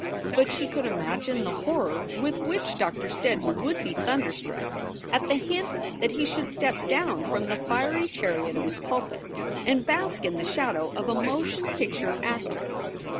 But she could imagine the horror with which Doctor Steddon would be thunderstruck at the hint that he should step down from the fiery chariot of his pulpit and bask in the shadow of a motion picture actress.